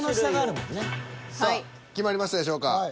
さあ決まりましたでしょうか？